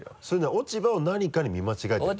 落ち葉を何かに見間違えてるってこと？